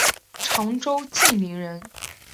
常州晋陵人。